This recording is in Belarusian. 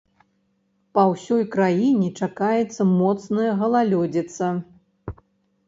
Па ўсёй краіне чакаецца моцная галалёдзіца.